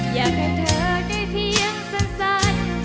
อยากให้เธอได้เพียงสั้น